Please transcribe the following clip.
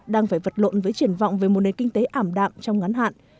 đang phải vật lộn với triển vọng về một nền kinh tế ảm đạm trong ngắn hạn